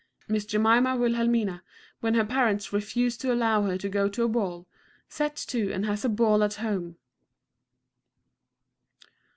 Miss Jemima Wilhelmina, when her parents refuse to allow her to go to a ball, sets to and has a bawl at home.